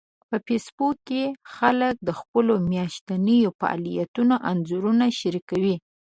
په فېسبوک کې خلک د خپلو میاشتنيو فعالیتونو انځورونه شریکوي